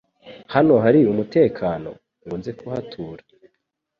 Hano hari umutekano? Ngo nze kuhatura